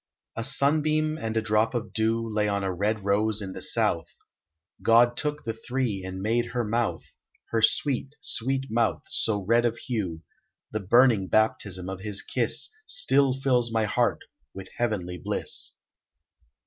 A sunbeam and a drop of dew Lay on a red rose in the South: God took the three and made her mouth, Her sweet, sweet mouth, So red of hue, The burning baptism of His kiss Still fills my heart with heavenly bliss.